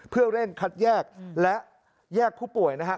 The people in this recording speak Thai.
เพื่อเร่งคัดแยกและแยกผู้ป่วยนะฮะ